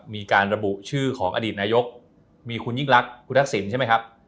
มีการระบุชื่อของอดีตนายกมีคุณยิ่งรักคุณทักษิณใช่ไหมครับ